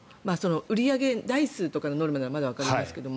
売り上げ台数とかのノルマだったらまだわかりますけど。